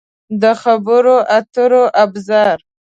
د خبرو اترو ابزار